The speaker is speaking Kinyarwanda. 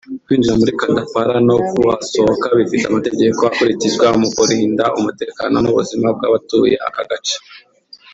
Kwinjira muri Kandapara no kuhasohoka bifite amategeko akurikizwa mu kurinda umutekano n’ubuzima bw’abatuye aka gace